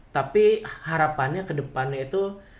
tapi harapannya kedepannya itu